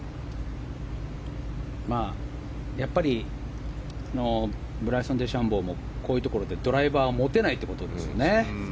やっぱりブライソン・デシャンボーもこういうところでドライバーを持てないんですね。